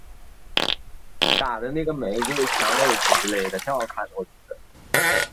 小狄奥多深深着迷于四手联弹的钢琴演奏。